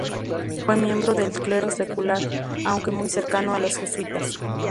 Fue miembro del clero secular, aunque muy cercano a los jesuítas.